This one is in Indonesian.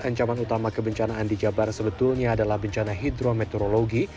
ancaman utama kebencanaan di jabar sebetulnya adalah bencana hidrometeorologi